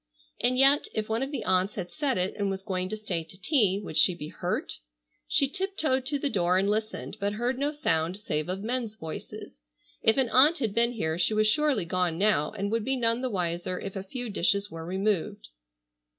And yet, if one of the aunts had set it and was going to stay to tea, would she be hurt? She tiptoed to the door and listened, but heard no sound save of men's voices. If an aunt had been here she was surely gone now and would be none the wiser if a few dishes were removed.